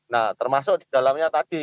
nah termasuk didalamnya tadi